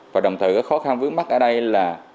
và đồng thời khó khăn vướng mắt ở đây là